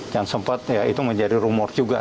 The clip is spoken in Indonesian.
yang sempat ya itu menjadi rumor juga